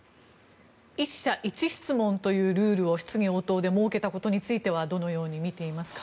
１社１問というルールを質疑応答で設けたことはどのように見ていますか？